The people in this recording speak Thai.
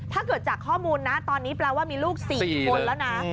ถ้าเกิดจากข้อมูลนะตอนนี้แปลว่ามีลูก๔คนแล้วนะ